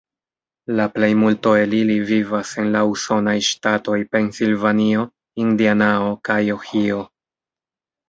La plejmulto el ili vivas en la Usonaj ŝtatoj Pensilvanio, Indianao, kaj Ohio.